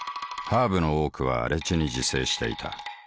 ハーブの多くは荒地に自生していた。